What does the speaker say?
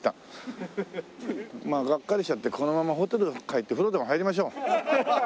まあがっかりしちゃってこのままホテルに帰って風呂でも入りましょう。